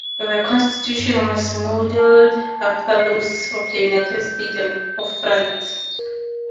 The constitution was modeled after those of the United States and of France.